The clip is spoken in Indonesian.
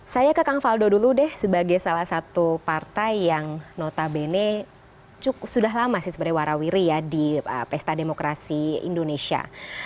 saya ke kang faldo dulu deh sebagai salah satu partai yang notabene sudah lama sih sebenarnya warawiri ya di pesta demokrasi indonesia